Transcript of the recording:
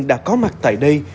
đã có mặt tại đây